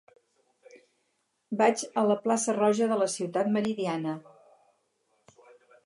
Vaig a la plaça Roja de la Ciutat Meridiana.